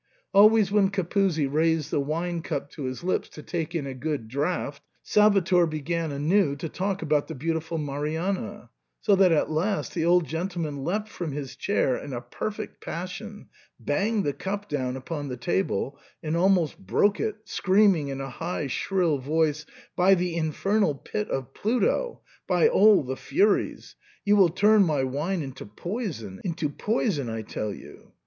Always when Capuzzi raised the wine cup to his lips to take a good draught, Salvator began anew to talk about the beautiful Marianna, so that at last the old gentleman leapt from his chair in a perfect passion, banged the cup down upon the table and almost broke it, screaming in a high shrill voice, " By the infernal pit of Pluto ! by all the furies ! you will turn my wine into poison — into poison I tell you.